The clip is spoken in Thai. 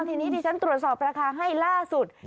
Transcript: ทีนี้ที่ฉันตรวจสอบราคาให้ล่าสุด